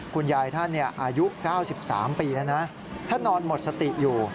คุณยายท่านอายุ๙๓ปีแล้วนะท่านนอนหมดสติอยู่